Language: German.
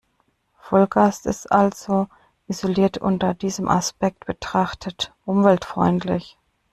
Vollgas ist also – isoliert unter diesem Aspekt betrachtet – umweltfreundlich.